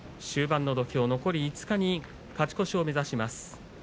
終盤の土俵、残り５日に勝ち越しを目指します。